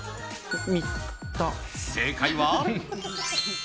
正解は。